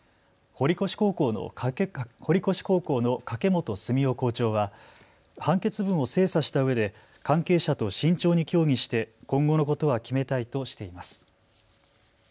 堀越高校の掛本寿雄校長は判決文を精査したうえで関係者と慎重に協議して今後のことは決めたいとしています。